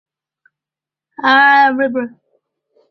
城铁的第一辆车厢因惯性和前面的火车头撞到一起并起火。